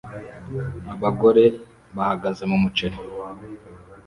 abagore bahagaze mumuceri